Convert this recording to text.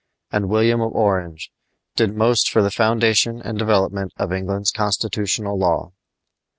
and William of Orange, did most for the foundation and development of England's constitutional law.